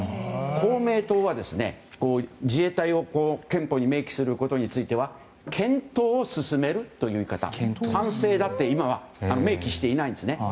公明党は自衛隊を憲法に明記することについては検討を進めるという言い方賛成だと今は明記していないんですね。